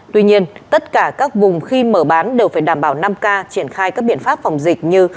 tuy nhiên tất cả các vùng khi mở bán đều phải đảm bảo năm k triển khai các biện pháp phòng dịch như